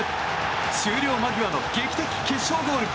終了間際の劇的決勝ゴール。